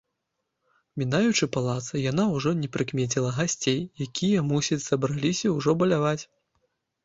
Мінаючы палац, яна ўжо не прыкмеціла гасцей, якія, мусіць, сабраліся ўжо баляваць.